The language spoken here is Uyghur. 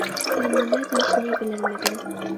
مەن نېمە دېيىشنى بىلەلمىدىم.